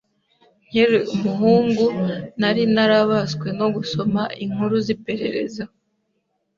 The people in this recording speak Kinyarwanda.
Nkiri umuhungu, nari narabaswe no gusoma inkuru ziperereza.